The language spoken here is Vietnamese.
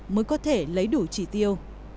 mới có thể lấy đủ trị tiêu